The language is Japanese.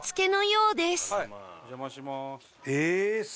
お邪魔します。